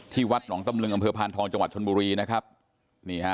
วัดหนองตำลึงอำเภอพานทองจังหวัดชนบุรีนะครับนี่ฮะ